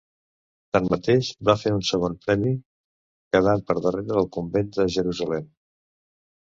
Tanmateix, va fer un segon premi, quedant per darrere de Convent de Jerusalem.